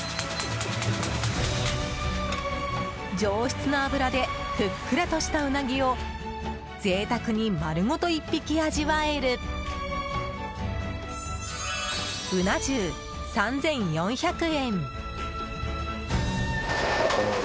上質な脂でふっくらとしたウナギを贅沢に丸ごと１匹味わえる鰻重、３４００円。